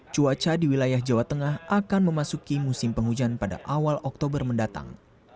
cuaca di wilayah jawa tengah akan memasuki musim penghujan pada awal oktober mendatang